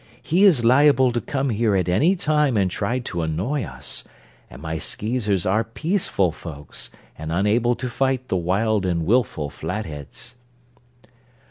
He is liable to come here at any time and try to annoy us, and my Skeezers are peaceful folks and unable to fight the wild and wilful Flatheads."